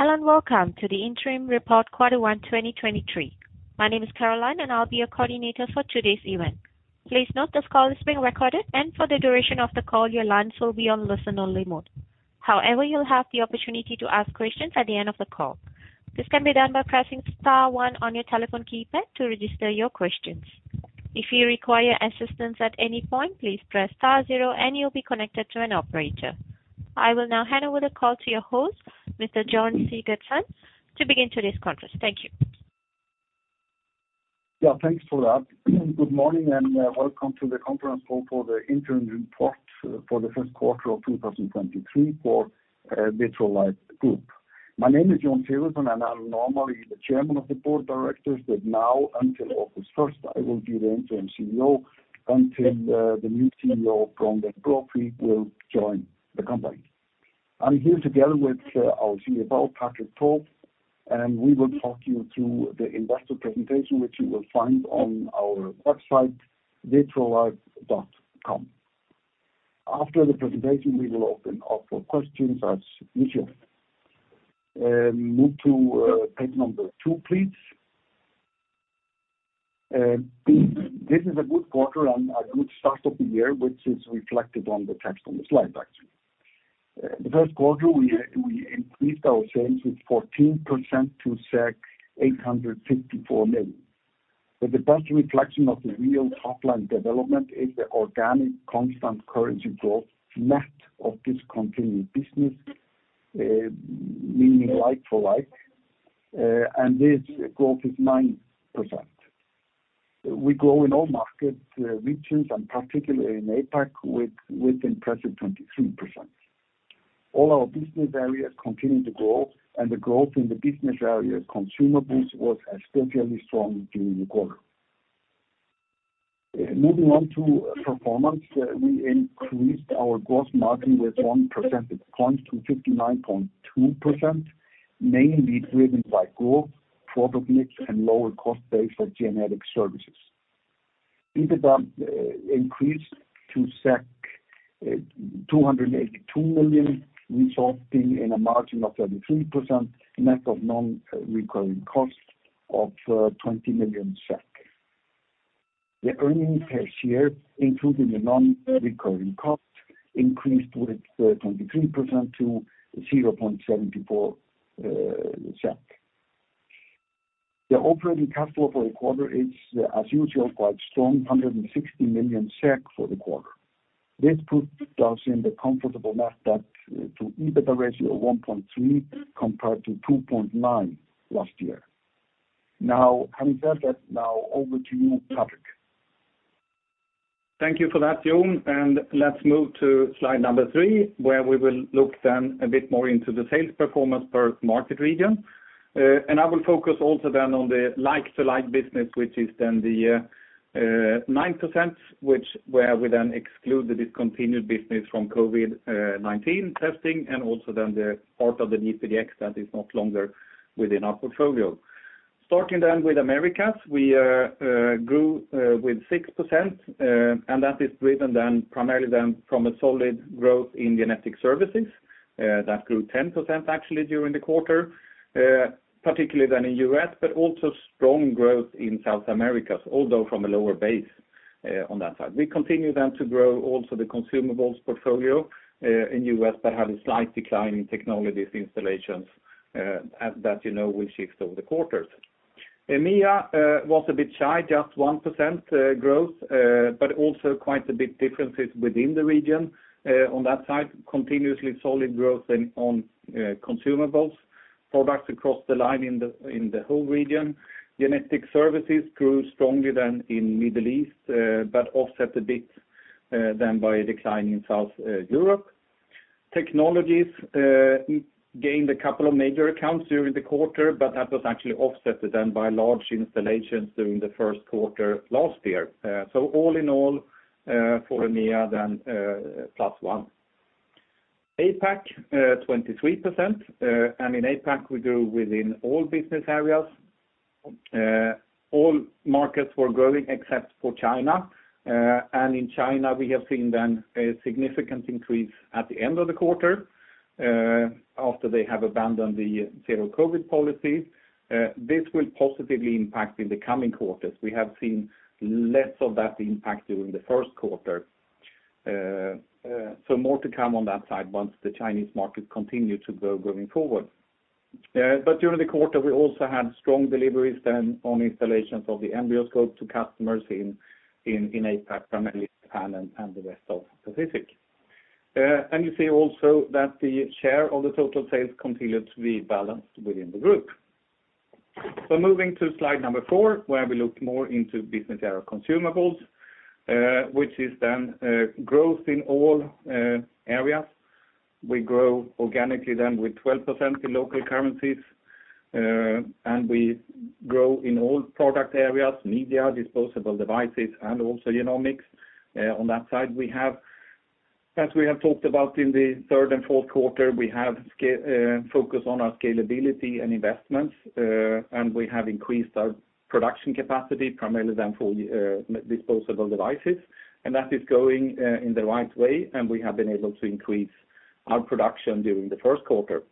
Hello, welcome to the interim report quarter one 2023. My name is Caroline, and I'll be your coordinator for today's event. Please note this call is being recorded, and for the duration of the call, your lines will be on listen-only mode. However, you'll have the opportunity to ask questions at the end of the call. This can be done by pressing star one on your telephone keypad to register your questions. If you require assistance at any point, please press star zero, and you'll be connected to an operator. I will now hand over the call to your host, Mr. Jón Sigurdsson, to begin today's conference. Thank you. Yeah, thanks for that. Good morning, and welcome to the conference call for the interim report for the 1st quarter of 2023 for Vitrolife Group. My name is Jón Sigurdsson, and I'm normally the Chairman of the Board of Directors, but now until August 1st, I will be the interim CEO until the new CEO from that group will join the company. I'm here together with our CFO, Patrik Tolf, and we will talk you through the investor presentation, which you will find on our website, vitrolife.com. After the presentation, we will open up for questions as usual. Move to page number two, please. This is a good quarter and a good start of the year, which is reflected on the text on the slide, actually. The first quarter, we increased our sales with 14% to 854 million. The best reflection of the real top-line development is the organic constant currency growth net of discontinued business, meaning like-for-like, and this growth is 9%. We grow in all market regions and particularly in APAC with impressive 23%. All our business areas continue to grow, and the growth in the business area consumables was especially strong during the quarter. Moving on to performance, we increased our gross margin with 1 percentage point to 59.2%, mainly driven by growth, product mix, and lower cost base for genetic services. EBITDA increased to 282 million, resulting in a margin of 33% net of non-recurring costs of 20 million SEK. The earnings per share, including the non-recurring costs, increased with 23% to 0.74. The operating capital for the quarter is, as usual, quite strong, 160 million SEK for the quarter. This puts us in the comfortable net debt to EBITDA ratio of 1.3 compared to 2.9 last year. Having said that, now over to you, Patrik. Thank you for that, Jón, Let's move to slide number three, where we will look then a bit more into the sales performance per market region. I will focus also then on the like-for-like business, which is then the 9%, which where we then exclude the discontinued business from COVID-19 testing and also then the part of the DPDx that is no longer within our portfolio. Starting then with Americas, we grew with 6%, That is driven then primarily then from a solid growth in genetic services, that grew 10% actually during the quarter, particularly then in U.S., but also strong growth in South Americas, although from a lower base on that side. We continue then to grow also the consumables portfolio, in U.S., but had a slight decline in technologies installations, as that, you know, will shift over the quarters. EMEA was a bit shy, just 1% growth, but also quite a bit differences within the region. On that side, continuously solid growth in on consumables, products across the line in the whole region. Genetic services grew strongly then in Middle East, but offset a bit then by a decline in South Europe. Technologies gained a couple of major accounts during the quarter, but that was actually offset then by large installations during the first quarter of last year. All in all, for EMEA then, +1%. APAC 23%. In APAC, we grew within all business areas. All markets were growing except for China. In China, we have seen then a significant increase at the end of the quarter after they have abandoned the zero COVID policy. This will positively impact in the coming quarters. We have seen less of that impact during the first quarter. More to come on that side once the Chinese market continue to grow going forward. During the quarter, we also had strong deliveries then on installations of the EmbryoScope to customers in APAC, primarily Japan and the rest of Pacific. You see also that the share of the total sales continued to be balanced within the group. Moving to slide number four, where we look more into business area consumables, which is then growth in all areas. We grow organically then with 12% in local currencies, and we grow in all product areas, media, disposable devices, and also genomics. On that side, we have, as we have talked about in the third and fourth quarter, we have focus on our scalability and investments, and we have increased our production capacity primarily then for disposable devices. That is going in the right way, and we have been able to increase our production during the first quarter.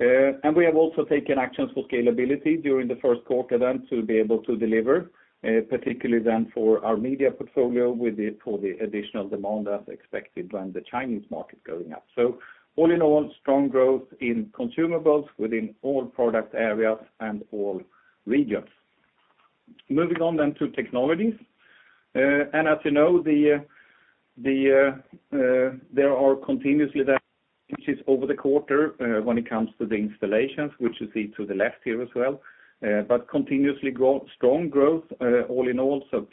We have also taken actions for scalability during the first quarter then to be able to deliver, particularly then for our media portfolio for the additional demand that's expected when the Chinese market going up. All in all, strong growth in consumables within all product areas and all regions. Moving on then to technologies. As you know, the, there are continuously the over the quarter, when it comes to the installations, which you see to the left here as well. Continuously strong growth, all in all, +7%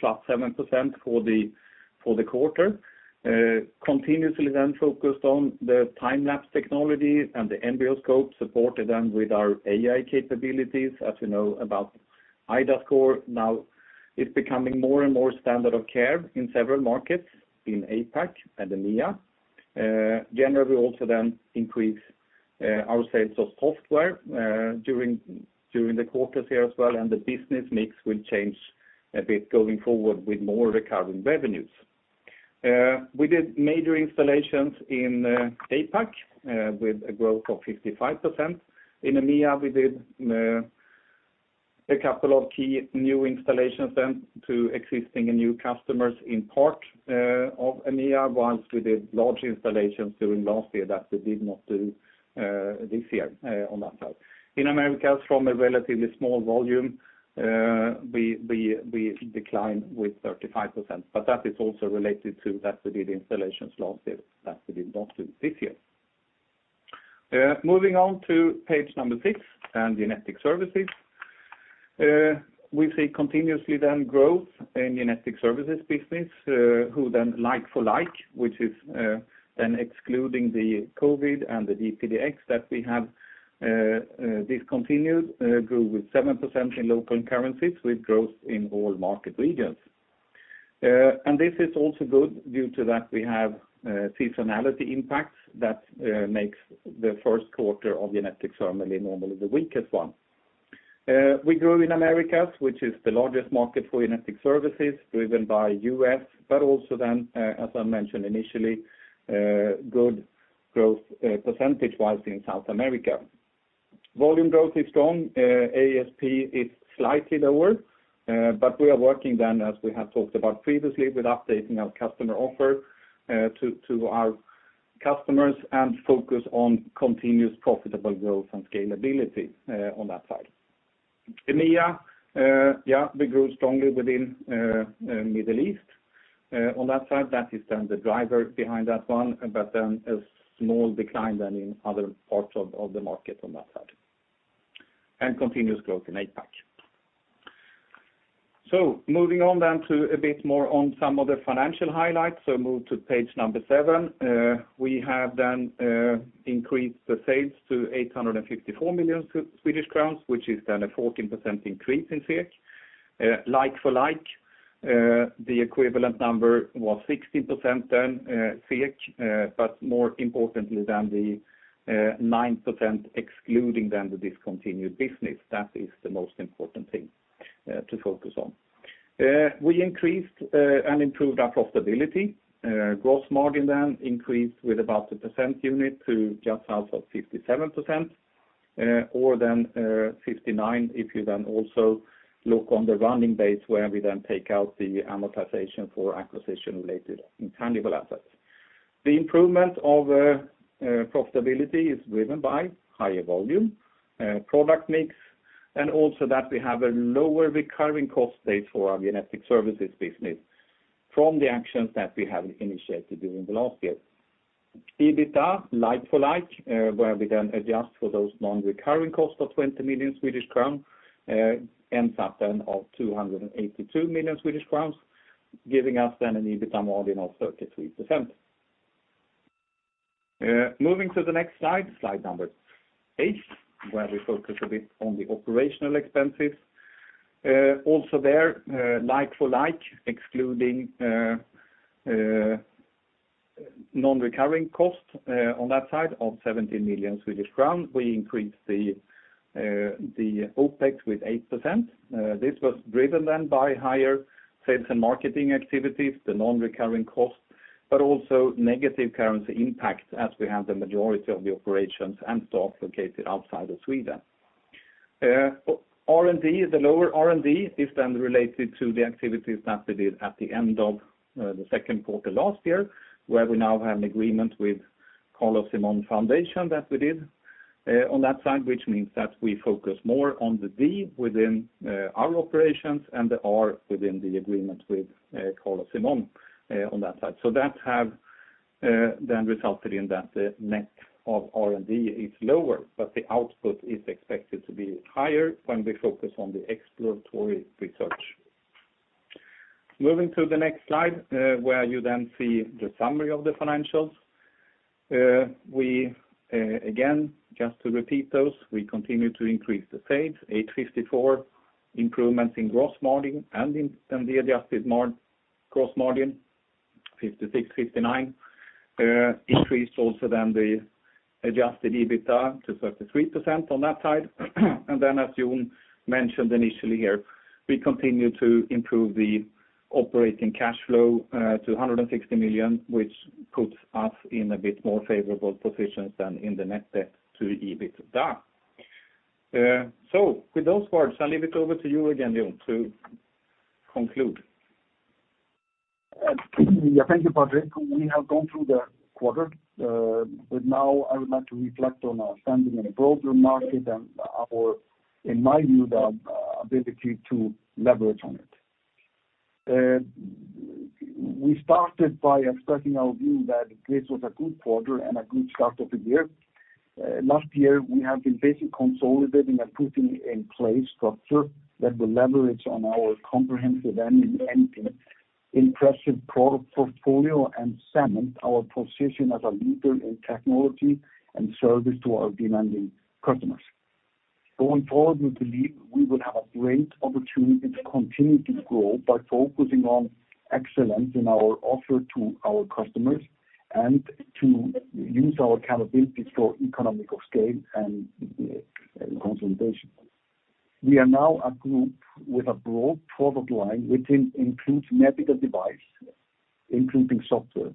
for the, for the quarter. Continuously focused on the time-lapse technology and the EmbryoScope supported with our AI capabilities, as you know about iDAScore. It's becoming more and more standard of care in several markets in APAC and EMEA. Generally, we also increase our sales of software during the quarters here as well. The business mix will change a bit going forward with more recurring revenues. We did major installations in APAC with a growth of 55%. In EMEA, we did a couple of key new installations then to existing and new customers in part of EMEA, whilst we did large installations during last year that we did not do this year on that side. In Americas, from a relatively small volume, we decline with 35%, but that is also related to that we did installations last year that we did not do this year. Moving on to page number six and genetic services. We see continuously then growth in genetic services business, who then like for like, which is then excluding the COVID and the GPDx that we have discontinued, grew with 7% in local currencies with growth in all market regions. This is also good due to that we have seasonality impacts that makes the first quarter of genetic services normally the weakest one. We grew in Americas, which is the largest market for genetic services driven by U.S., also then, as I mentioned initially, good growth percentage-wise in South America. Volume growth is strong, ASP is slightly lower, but we are working then as we have talked about previously with updating our customer offer to our customers and focus on continuous profitable growth and scalability on that side. EMEA, we grew strongly within Middle East on that side. That is then the driver behind that one, but then a small decline then in other parts of the market on that side. Continuous growth in APAC. Moving on then to a bit more on some of the financial highlights, move to page number seven. We have then increased the sales to 854 million Swedish crowns, which is then a 14% increase in SEK. Like for like, the equivalent number was 16% then SEK, but more importantly than the 9% excluding then the discontinued business, that is the most important thing to focus on. We increased and improved our profitability. Gross margin then increased with about a percent unit to just out of 57%, or then 59% if you then also look on the running base where we then take out the amortization for acquisition-related intangible assets. The improvement of profitability is driven by higher volume, product mix, and also that we have a lower recurring cost base for our genetic services business from the actions that we have initiated during the last year. EBITDA, like for like, where we then adjust for those non-recurring costs of 20 million Swedish crown, ends up then of 282 million Swedish crowns, giving us then an EBITDA margin of 33%. Moving to the next slide number eight, where we focus a bit on the operational expenses. Also there, like for like, excluding non-recurring costs on that side of 70 million Swedish crown, we increased the OPEX with 8%. This was driven then by higher sales and marketing activities, the non-recurring costs. Also negative currency impacts as we have the majority of the operations and stock located outside of Sweden. R&D, the lower R&D is then related to the activities that we did at the end of the second quarter last year, where we now have an agreement with Carlos Simon Foundation that we did on that side, which means that we focus more on the D within our operations and the R within the agreement with Carlos Simon on that side. That have then resulted in that the net of R&D is lower. The output is expected to be higher when we focus on the exploratory research. Moving to the next slide, where you then see the summary of the financials. We again, just to repeat those, we continue to increase the sales, 854 million, improvements in gross margin and in the adjusted gross margin, 56%, 59%. Increased also then the adjusted EBITDA to 33% on that side. As Jón mentioned initially here, we continue to improve the operating cash flow to 160 million, which puts us in a bit more favorable position than in the net debt to EBITDA. With those words, I'll leave it over to you again, Jón, to conclude. Yeah, thank you, Patrik. We have gone through the quarter, now I would like to reflect on our standing in a broader market and our, in my view, the ability to leverage on it. We started by expressing our view that this was a good quarter and a good start of the year. Last year, we have been busy consolidating and putting in place structure that will leverage on our comprehensive and impressive product portfolio and cement our position as a leader in technology and service to our demanding customers. Going forward, we believe we will have a great opportunity to continue to grow by focusing on excellence in our offer to our customers and to use our capabilities for economical scale and consolidation. We are now a group with a broad product line, which includes medical device, including software,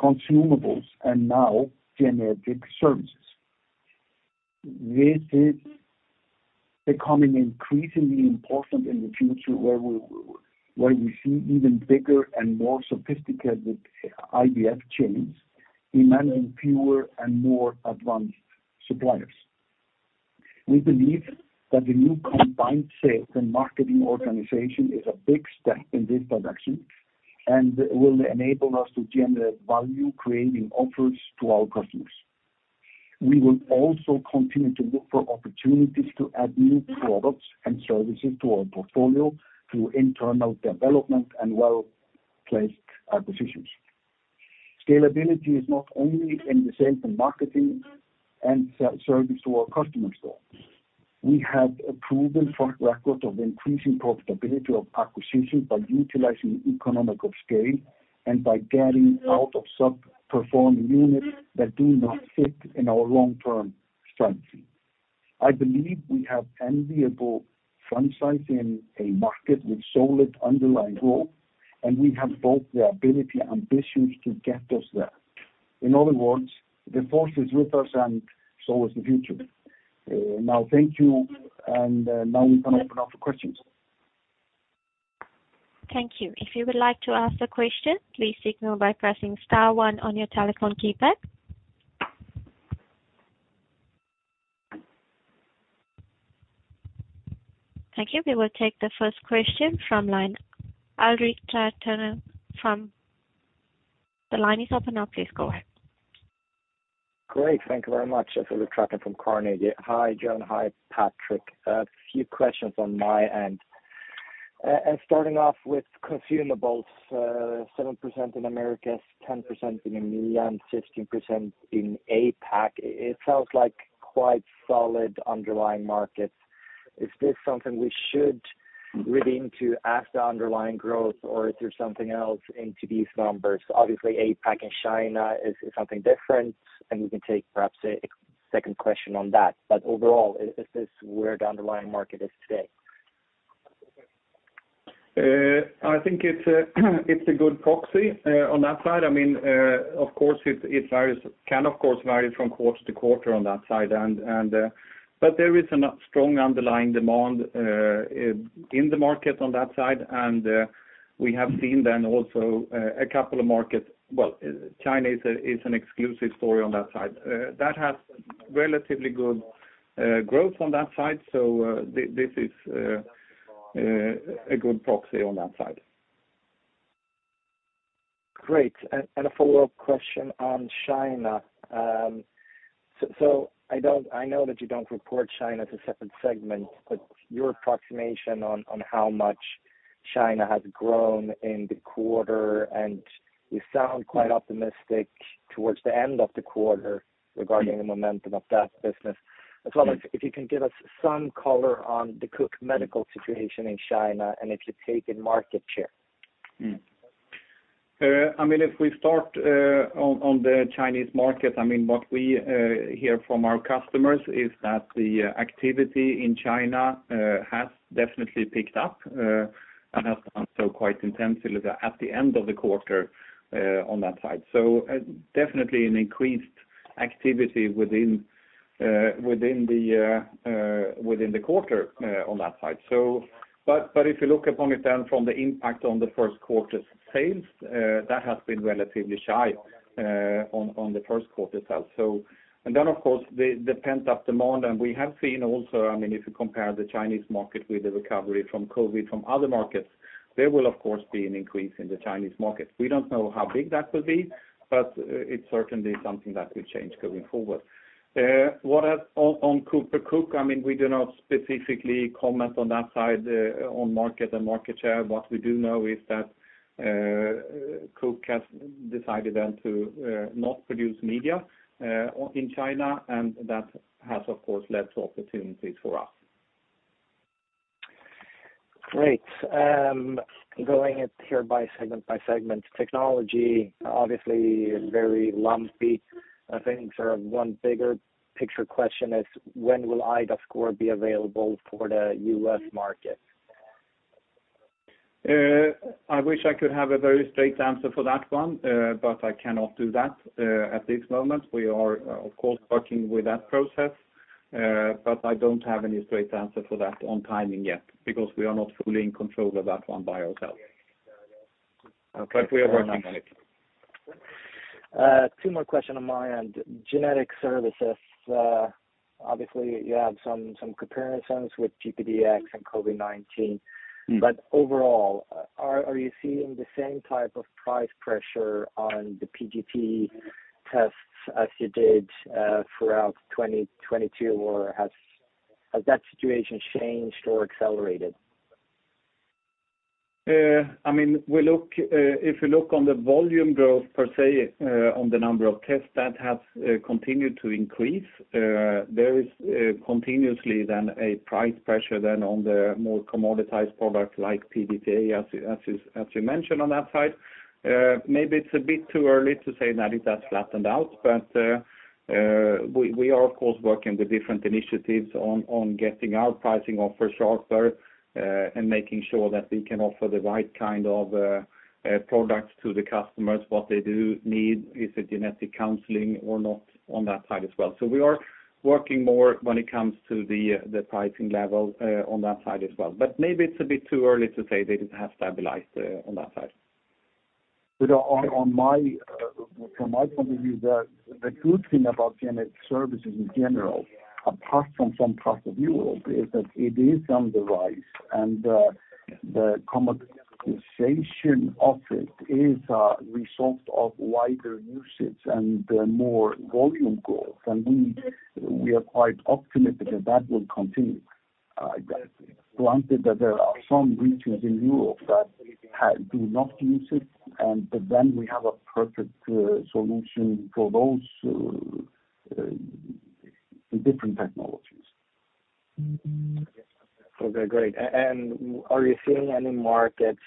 consumables, and now genetic services. This is becoming increasingly important in the future, where we see even bigger and more sophisticated IVF chains demanding fewer and more advanced suppliers. We believe that the new combined sales and marketing organization is a big step in this direction and will enable us to generate value, creating offers to our customers. We will also continue to look for opportunities to add new products and services to our portfolio through internal development and well-placed acquisitions. Scalability is not only in the sales and marketing and service to our customers, though. We have a proven track record of increasing profitability of acquisitions by utilizing economic of scale and by getting out of sub-performing units that do not fit in our long-term strategy. I believe we have enviable front size in a market with solid underlying growth, and we have both the ability ambitions to get us there. In other words, the force is with us and so is the future. Now thank you, and now we can open up for questions. Thank you. If you would like to ask a question, please signal by pressing star one on your telephone keypad. Thank you. We will take the first question from line Ulrik Trattner. The line is open now. Please go ahead. Great. Thank you very much. This is Ulrik Trattner from Carnegie. Hi, Jón. Hi, Patrik. A few questions on my end. Starting off with consumables, 7% in Americas, 10% in EMEA, and 16% in APAC. It sounds like quite solid underlying markets. Is this something we should read into as the underlying growth, or is there something else into these numbers? Obviously, APAC and China is something different, and you can take perhaps a second question on that. Overall, is this where the underlying market is today? I think it's a, it's a good proxy on that side. I mean, of course, it can of course vary from quarter to quarter on that side. But there is a strong underlying demand in the market on that side. We have seen then also a couple of markets. Well, China is a, is an exclusive story on that side. That has relatively good growth on that side. This is a good proxy on that side. Great. A follow-up question on China. I know that you don't report China as a separate segment, but your approximation on how much China has grown in the quarter, and you sound quite optimistic towards the end of the quarter regarding the momentum of that business. As well as if you can give us some color on the Cook Medical situation in China, and if you're taking market share? I mean, if we start on the Chinese market, I mean, what we hear from our customers is that the activity in China has definitely picked up and has done so quite intensively at the end of the quarter on that side. Definitely an increased activity within the quarter on that side. If you look upon it then from the impact on the first quarter's sales, that has been relatively shy on the first quarter sales. Of course, the pent-up demand. We have seen also, I mean, if you compare the Chinese market with the recovery from COVID from other markets, there will, of course, be an increase in the Chinese market. We don't know how big that will be, but it's certainly something that will change going forward. What else on CooperSurgical Cook, I mean, we do not specifically comment on that side, on market and market share. What we do know is that Cook has decided then to not produce media in China. That has, of course, led to opportunities for us. Great. Going it here by segment. Technology, obviously very lumpy. I think sort of one bigger picture question is when will iDAScore be available for the U.S. market? I wish I could have a very straight answer for that one, but I cannot do that at this moment. We are, of course, working with that process, but I don't have any straight answer for that on timing yet because we are not fully in control of that one by ourselves. Okay. We are working on it. Two more question on my end. Genetic services, obviously, you have some comparisons with PGDx and COVID-19. Overall, are you seeing the same type of price pressure on the PGT tests as you did throughout 2022, or has that situation changed or accelerated? I mean, we look, if you look on the volume growth per se, on the number of tests that have continued to increase, there is continuously then a price pressure then on the more commoditized product like PGT-A, as you mentioned on that side. Maybe it's a bit too early to say that it has flattened out, but we are of course working with different initiatives on getting our pricing offer sharper, and making sure that we can offer the right kind of products to the customers, what they do need, is it genetic counseling or not on that side as well. We are working more when it comes to the pricing level on that side as well. Maybe it's a bit too early to say that it has stabilized on that side. On my, from my point of view, the good thing about genetic services in general, apart from some parts of Europe, is that it is on the rise and the commoditization of it is a result of wider usage and more volume growth. We are quite optimistic that that will continue. Granted that there are some regions in Europe that do not use it and but then we have a perfect solution for those different technologies. Okay. Great. Are you seeing any markets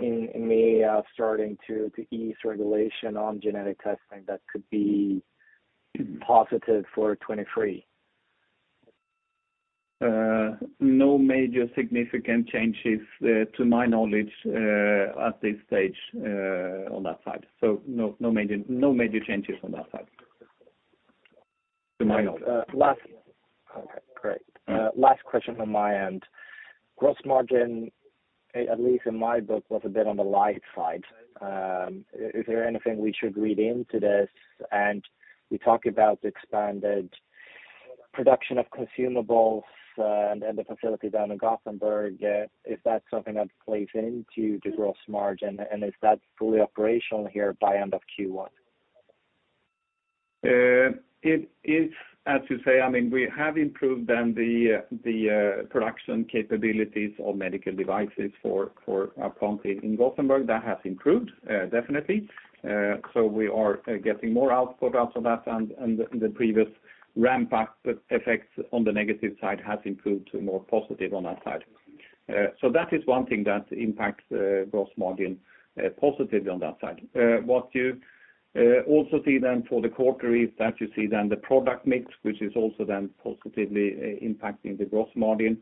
in the, starting to ease regulation on genetic testing that could be positive for 2023? No major significant changes, to my knowledge, at this stage, on that side. No major changes on that side, to my knowledge. Okay, great. Last question from my end. Gross margin, at least in my book, was a bit on the light side. Is there anything we should read into this? You talk about the expanded production of consumables and the facility down in Gothenburg. Is that something that plays into the gross margin? Is that fully operational here by end of Q1? It is. As you say, I mean, we have improved then the production capabilities of medical devices for our plant in Gothenburg. That has improved definitely. We are getting more output out of that and the previous ramp-up effects on the negative side has improved to more positive on that side. That is one thing that impacts gross margin positively on that side. What you also see then for the quarter is that you see then the product mix, which is also then positively impacting the gross margin.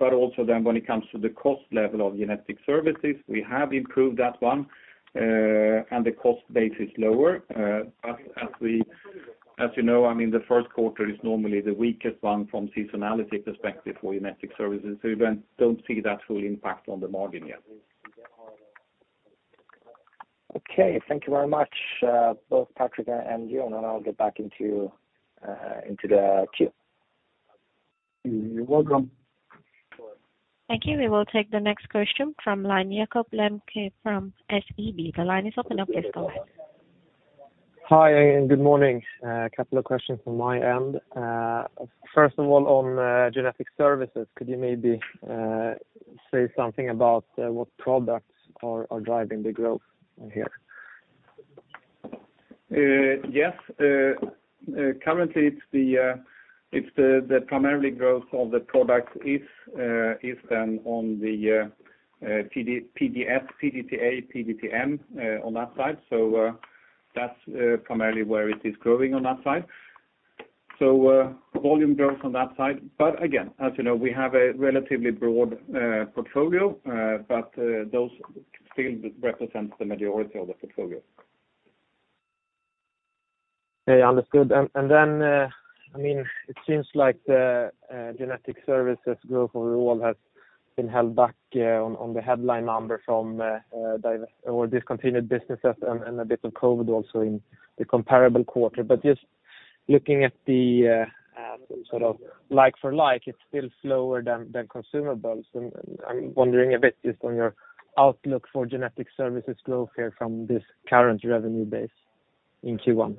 Also then when it comes to the cost level of genetic services, we have improved that one, and the cost base is lower. As we, as you know, I mean, the first quarter is normally the weakest one from seasonality perspective for genetic services. We don't see that full impact on the margin yet. Okay. Thank you very much, both Patrik and Jón. I'll get back into the queue. You're welcome. Thank you. We will take the next question from line, Jakob Lembke from SEB. The line is open. Now please go ahead. Hi, good morning. A couple of questions from my end. First of all, on genetic services, could you maybe say something about what products are driving the growth here? Yes, currently its the primary growth of the product is. It's on the PGT, PGT-A and PGT-M, on that side. So that's primarily where it is growing on that side. So volume grows on that side. But again we have a relatively broad portfolio, but those still represent the majority of the portfolio. Okay, understood. Then, I mean, it seems like the genetic services growth overall has been held back on the headline number from discontinued businesses and a bit of COVID also in the comparable quarter. Just looking at the sort of like for like, it's still slower than consumables. I'm wondering a bit just on your outlook for genetic services growth here from this current revenue base in Q1.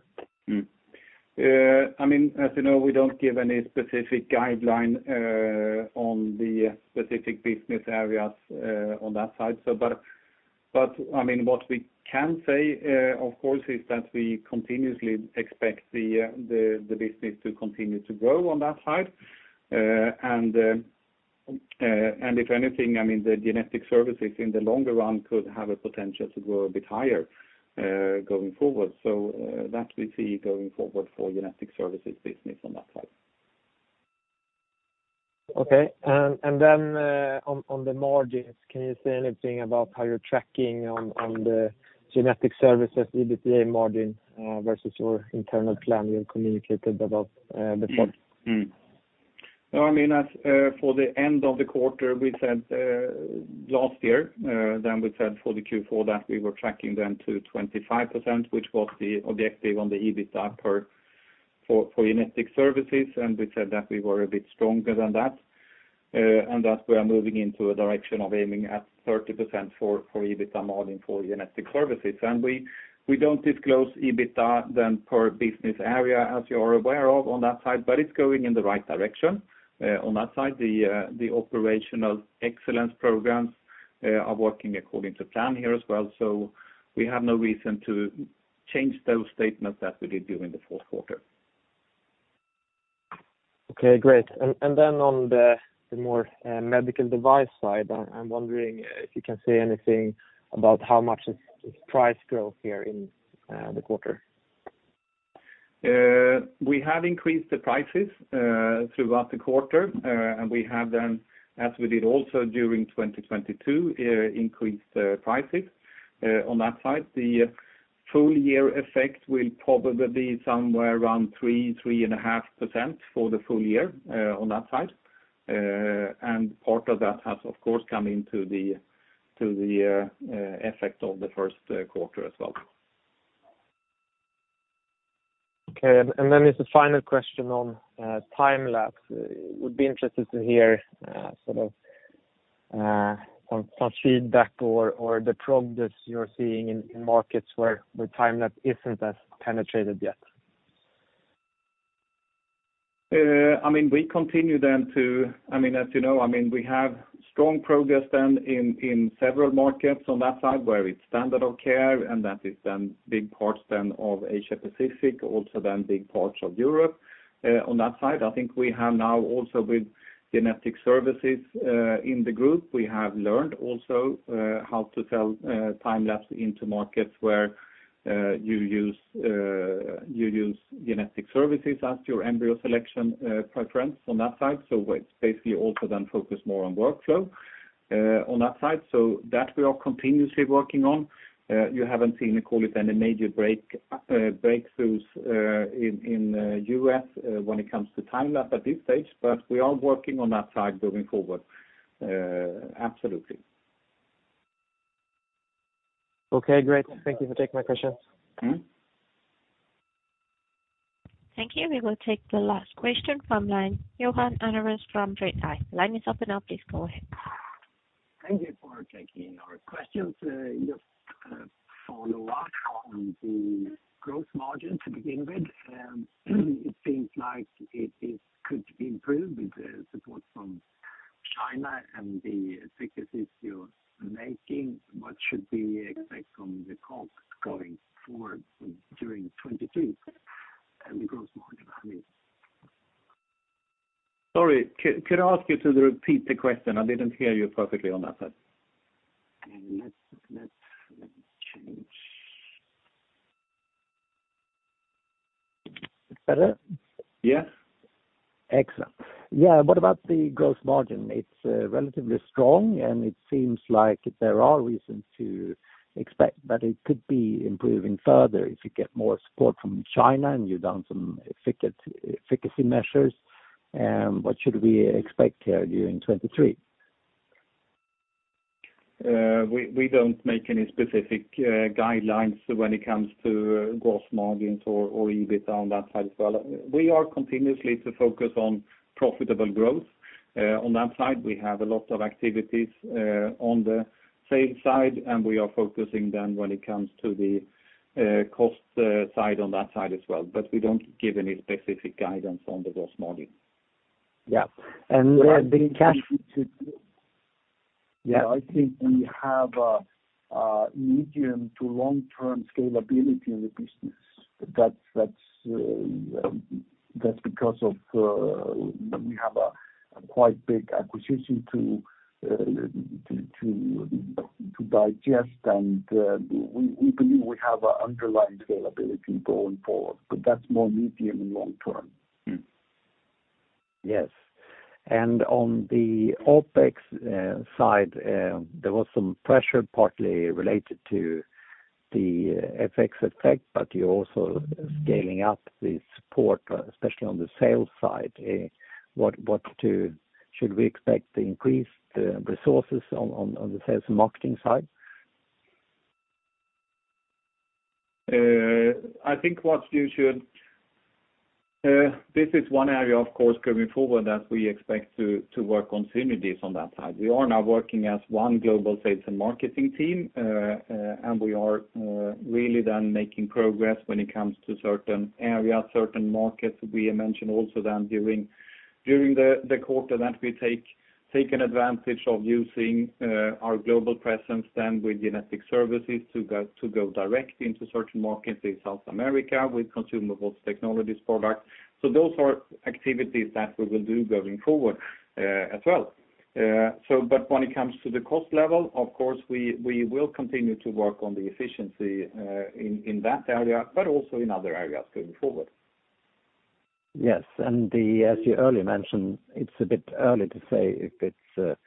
I mean, as you know, we don't give any specific guideline on the specific business areas on that side. I mean, what we can say, of course, is that we continuously expect the business to continue to grow on that side. If anything, I mean, the genetic services in the longer run could have a potential to grow a bit higher going forward. That we see going forward for genetic services business on that side. Okay. Then, on the margins, can you say anything about how you're tracking on the genetic services, EBITDA margin, versus your internal plan you communicated about, before? No, I mean, as for the end of the quarter, we said last year, we said for the Q4 that we were tracking then to 25%, which was the objective on the EBITDA for genetic services. We said that we were a bit stronger than that. We are moving into a direction of aiming at 30% for EBITDA margin for genetic services. We don't disclose EBITDA then per business area, as you're aware of on that side, but it's going in the right direction on that side. The operational excellence programs are working according to plan here as well. We have no reason to change those statements that we did during the fourth quarter. Okay, great. Then on the more medical device side, I'm wondering if you can say anything about how much is price growth here in the quarter? We have increased the prices throughout the quarter. We have then, as we did also during 2022, increased prices on that side. The full year effect will probably be somewhere around 3.5% for the full year on that side. Part of that has of course come into the effect of the first quarter as well. Okay. Then as the final question on Time-lapse. Would be interested to hear sort of, some feedback or the progress you're seeing in markets where the Time-lapse isn't as penetrated yet. I mean, we continue then to... I mean, as you know, I mean, we have strong progress then in several markets on that side where it's standard of care. That is then big parts then of Asia-Pacific, also then big parts of Europe, on that side. I think we have now also with genetic services, in the group, we have learned also, how to sell, Time-lapse into markets where, you use, you use genetic services as your embryo selection, preference on that side. It's basically also then focused more on workflow, on that side. That we are continuously working on. You haven't seen, call it, any major break, breakthroughs, in, U.S., when it comes to Time-lapse at this stage. We are working on that side moving forward, absolutely. Okay, great. Thank you for taking my questions. Thank you. We will take the last question from line, Johan Andreasson from Danske Bank. Line is open now, please go ahead. Thank you for taking our questions. Just, follow up on the growth margin to begin with. It seems like it could be improved with the support from China and the efficacy you're making. What should we expect from the costs going forward during 2023 and growth margin, I mean? Sorry, could I ask you to repeat the question? I didn't hear you perfectly on that side. Let's change. Better? Yes. Excellent. Yeah. What about the growth margin? It's relatively strong, and it seems like there are reasons to expect that it could be improving further if you get more support from China and you've done some efficacy measures. What should we expect here during 2023? We don't make any specific guidelines when it comes to gross margins or EBITDA on that side as well. We are continuously to focus on profitable growth on that side. We have a lot of activities on the sales side, and we are focusing then when it comes to the cost side on that side as well. We don't give any specific guidance on the gross margin. Yeah. I think we need to. Yeah. I think we have a medium to long-term scalability in the business. That's, that's because of, we have a quite big acquisition to digest. We believe we have a underlying scalability going forward, but that's more medium and long term. On the OPEX side, there was some pressure partly related to the FX effect. You're also scaling up the support, especially on the sales side. Should we expect the increased resources on the sales and marketing side? I think this is one area, of course, going forward that we expect to work continuously on that side. We are now working as one global sales and marketing team, and we are really then making progress when it comes to certain areas, certain markets. We mentioned also then during the quarter that we taken advantage of using our global presence then with genetic services to go direct into certain markets in South America with consumables technologies products. Those are activities that we will do going forward as well. When it comes to the cost level, of course, we will continue to work on the efficiency in that area, but also in other areas going forward. Yes. As you earlier mentioned, it's a bit early to say if it's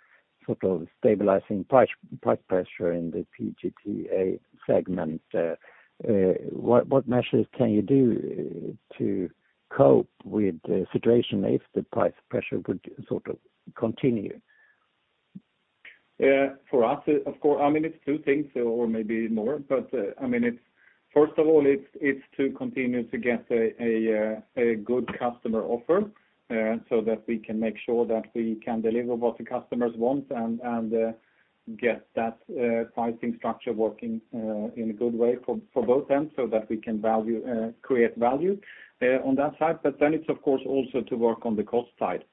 sort of stabilizing price pressure in the PGT-A segment. What measures can you do to cope with the situation if the price pressure would sort of continue? Yeah. For us, of course, I mean, it's two things or maybe more. I mean, first of all, it's to continue to get a good customer offer, so that we can make sure that we can deliver what the customers want and get that pricing structure working in a good way for both ends so that we can value, create value on that side. Then it's of course, also to work on the cost side,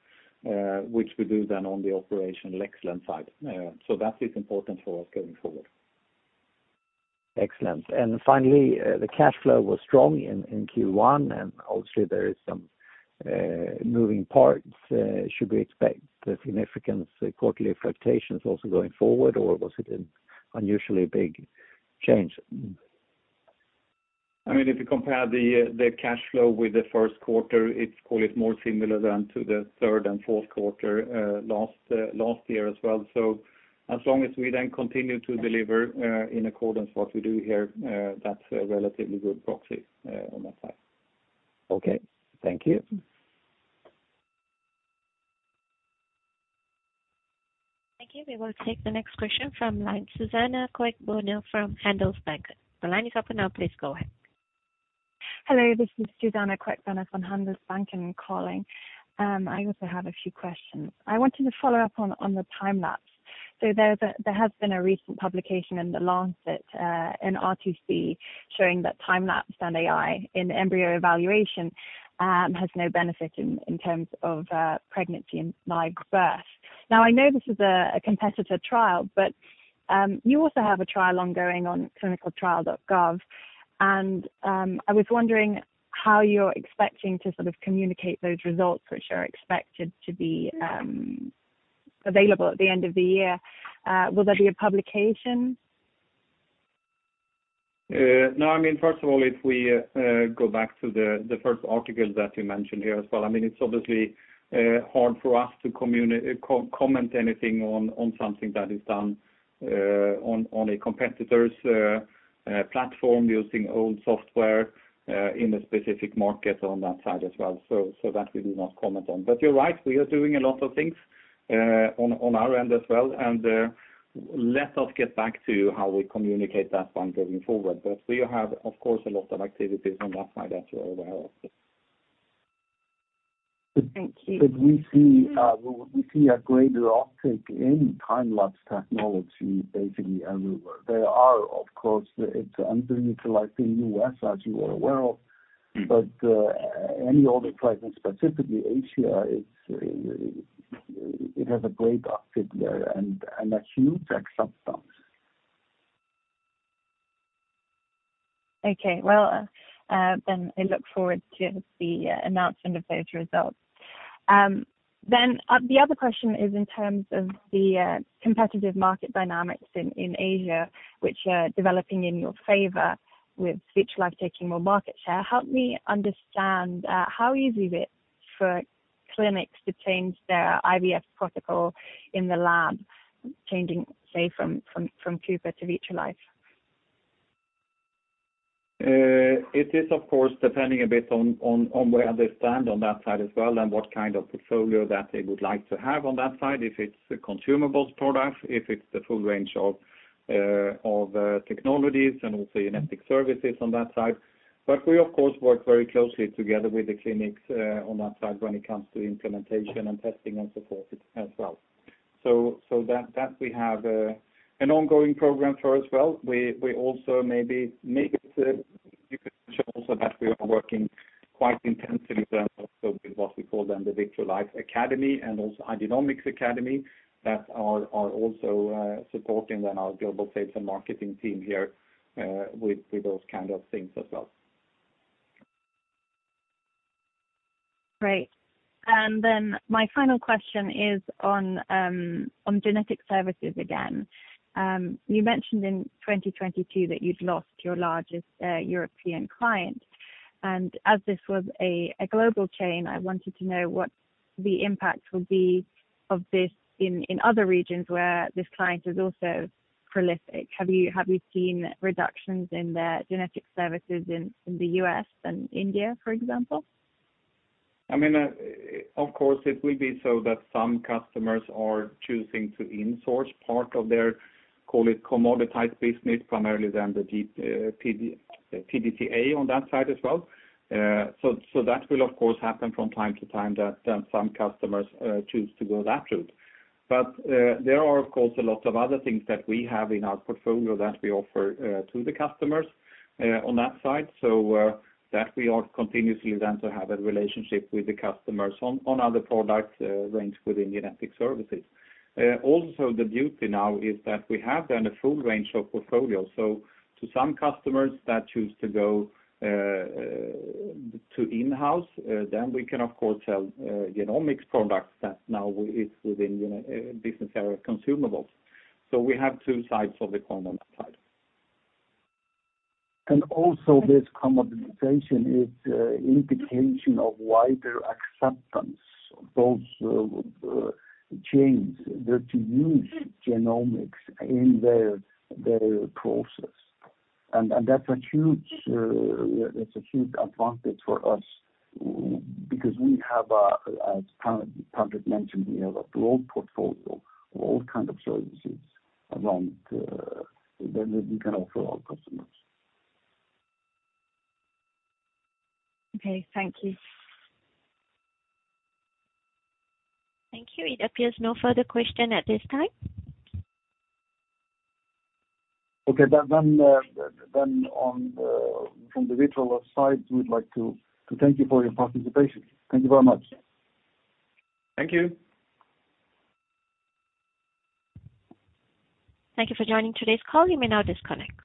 which we do then on the operational excellence side. That is important for us going forward. Excellent. Finally, the cash flow was strong in Q1, and obviously there is some moving parts. Should we expect significant quarterly fluctuations also going forward, or was it an unusually big change? I mean, if you compare the cash flow with the first quarter, it's call it more similar than to the third and fourth quarter last year as well. As long as we then continue to deliver in accordance what we do here, that's a relatively good proxy on that side. Okay. Thank you. Thank you. We will take the next question from line, Suzanna Queckbörner from Handelsbanken. The line is open now, please go ahead. Hello, this is Suzanna Queckbörner from Handelsbanken calling. I also have a few questions. I wanted to follow up on the time-lapse. There has been a recent publication in The Lancet, in RCT showing that time-lapse and AI in embryo evaluation, has no benefit in terms of pregnancy and live birth. Now, I know this is a competitor trial, but you also have a trial ongoing on ClinicalTrials.gov. I was wondering how you're expecting to sort of communicate those results which are expected to be available at the end of the year. Will there be a publication? No. I mean, first of all, if we go back to the first article that you mentioned here as well, I mean, it's obviously hard for us to comment anything on something that is done on a competitor's platform using old software in a specific market on that side as well. That we do not comment on. You're right, we are doing a lot of things on our end as well. Let us get back to how we communicate that one going forward. We have, of course, a lot of activities on that side that you're aware of. Thank you. We see a greater uptake in time-lapse technology basically everywhere. It's underutilized in U.S., as you are aware of. Any other place, and specifically Asia, it has a great uptake there and a huge acceptance. Okay. Well, then I look forward to the announcement of those results. The other question is in terms of the competitive market dynamics in Asia, which are developing in your favor with Vitrolife taking more market share. Help me understand, how easy is it for clinics to change their IVF protocol in the lab, changing, say, from CooperSurgical to Vitrolife? It is of course, depending a bit on where they stand on that side as well, and what kind of portfolio that they would like to have on that side, if it's a consumables product, if it's the full range of technologies and also genetic services on that side. We of course, work very closely together with the clinics on that side when it comes to implementation and testing and support as well. That we have an ongoing program for as well. We also maybe make it, you could show also that we are working quite intensively then also with what we call then the Vitrolife Academy and also Igenomix Academy that are also supporting then our global sales and marketing team here with those kind of things as well. Great. My final question is on genetic services again. You mentioned in 2022 that you'd lost your largest European client. As this was a global chain, I wanted to know what the impact will be of this in other regions where this client is also prolific. Have you seen reductions in the genetic services in the U.S. and India, for example? I mean, of course, it will be so that some customers are choosing to in-source part of their, call it commoditized business primarily than PGT-A on that side as well. that will of course happen from time to time that then some customers choose to go that route. there are, of course, a lot of other things that we have in our portfolio that we offer to the customers on that side. that we are continuously then to have a relationship with the customers on other product range within genetic services. The beauty now is that we have then a full range of portfolio. To some customers that choose to go to in-house, then we can of course sell genomics products that now is within business area consumables. We have two sides of the coin on that side. Also this commoditization is indication of wider acceptance of those chains there to use genomics in their process. That's a huge, it's a huge advantage for us because we have, as Patrik mentioned, we have a broad portfolio of all kind of services around then that we can offer our customers. Okay. Thank you. Thank you. It appears no further question at this time. From the Vitrolife side, we would like to thank you for your participation. Thank you very much. Thank you. Thank you for joining today's call. You may now disconnect.